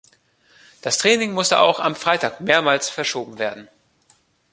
Das Training musste auch am Freitag mehrmals verschoben werden.